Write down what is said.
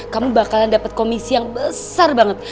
kamu bakalan dapat komisi yang besar banget